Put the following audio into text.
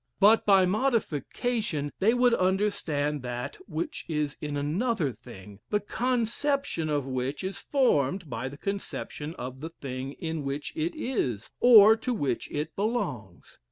But by modification they would understand that which is in another thing, the conception of which is formed by the conception of the thing in which it is, or to which it belongs.